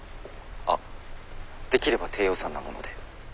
あっできれば低予算なもので。